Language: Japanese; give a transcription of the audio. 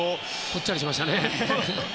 ぽっちゃりしましたね。